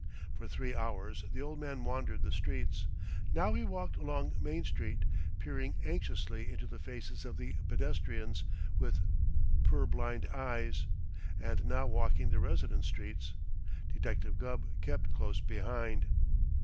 For three hours the old man wandered the streets. Now he walked along Main Street, peering anxiously into the faces of the pedestrians, with purblind eyes, and now walking the residence streets. Detective Gubb kept close behind.